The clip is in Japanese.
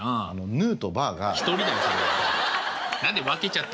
ヌーとバーが。